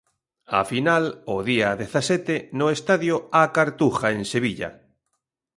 A final o día dezasete no estadio A Cartuja en Sevilla.